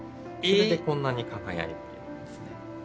それでこんなに輝いているんですね。